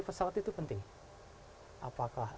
pesawat itu penting apakah